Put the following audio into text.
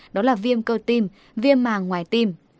đó là viêm cơ tim viêm màng ngoài tim